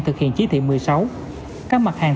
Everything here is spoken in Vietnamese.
thực hiện chỉ thị một mươi sáu các mặt hàng